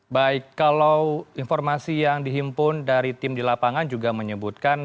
baik kalau informasi yang dihimpun dari tim di lapangan juga menyebutkan